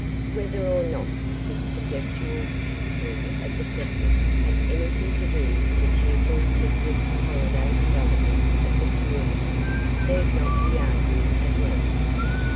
Whether or not this conjectural history of the settlement had anything to do with the cheerful mid winter holiday developments of the community need not be argued at length.